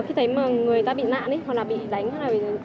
khi thấy mà người ta bị nạn ấy hoặc là bị đánh hoặc là bị